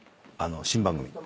新番組。